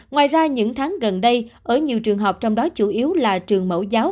ngoài ra những tháng gần đây ở nhiều trường học trong đó chủ yếu là trường mẫu giáo